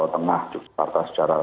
tengah juga parta secara